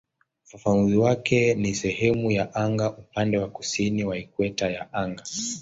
Ufafanuzi wake ni "sehemu ya anga upande wa kusini wa ikweta ya anga".